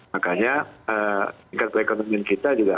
makanya tingkat perekonomian kita juga